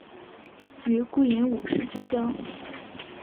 与顾炎武是至交。